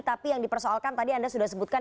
tapi yang dipersoalkan tadi anda sudah sebutkan